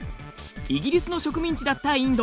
イギリスの植民地だったインド。